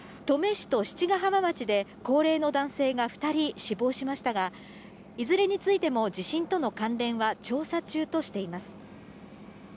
登米市と七ヶ浜町で高齢の男性が２人死亡しましたが、いずれについても、地震との関連は調査中としています。